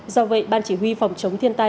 do vậy ban chỉ huy phòng chống thiên tai